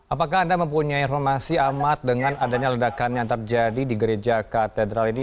apakah anda mempunyai informasi amat dengan adanya ledakan yang terjadi di gereja katedral ini